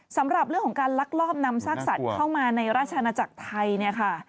สำหรับเรื่องของการลักลอบนำซากสัตว์เข้ามาในราชนาจักรไทยเนี่ยค่ะ